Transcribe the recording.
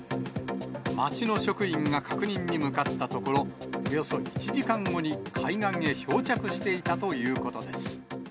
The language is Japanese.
町の職員が確認に向かったところ、およそ１時間後に海岸へ漂着していたということです。